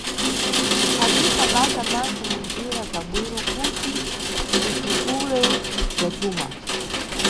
Kuphatisa basa madzi munjira za bwino kuti titukule bza cuma.